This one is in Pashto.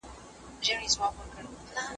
زه به موسيقي اورېدلې وي؟